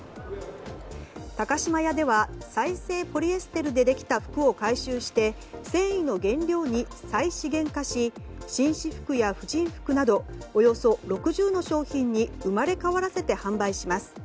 高島屋では再生ポリエステルでできた服を回収して繊維の原料に再資源化し紳士服や婦人服などおよそ６０の商品に生まれ変わらせて、販売します。